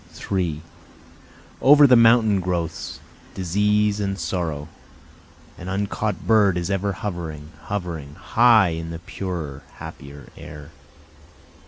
3 Over the mountain growths disease and sorrow, An uncaught bird is ever hovering, hovering, High in the purer, happier air.